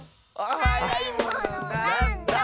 「はやいものなんだ？」